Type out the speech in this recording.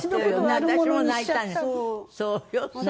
私も泣いたわよ。